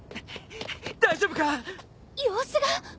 大丈夫か！？様子が。